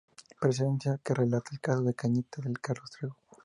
Presencia", que relata el caso de "Cañitas", de Carlos Trejo.